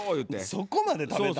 そこまで食べた？